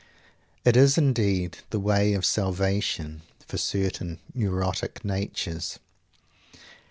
It is indeed the way of "salvation" for certain neurotic natures.